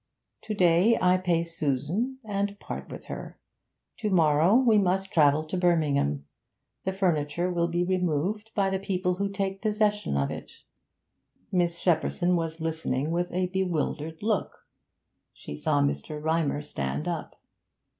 To day I pay Susan, and part with her; to morrow we must travel to Birmingham. The furniture will be removed by the people who take possession of it ' Miss Shepperson was listening with a bewildered look. She saw Mr. Rymer stand up.